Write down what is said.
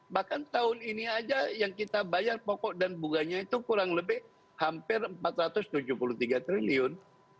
bahkan tahun ini aja yang kita bayar pokok dan bunganya itu kurang lebih hampir empat ratus tujuh puluh tiga triliun